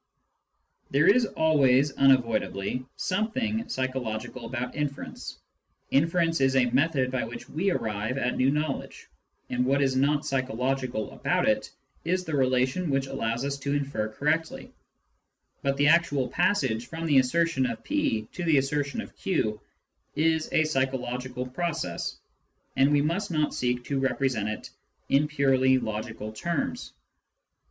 There is always unavoidably something psycho logical about inference : inference is a method by which we arrive at new knowledge, and what is not psychological about it is the relation which allows us to infer correctly ; but the actual passage from the assertion of p to the assertion of q is a psychological process, and we must not seek to represent it in purely logical terms.